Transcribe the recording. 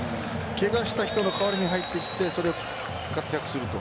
けがした人の代わりに入ってきてそれで活躍すると。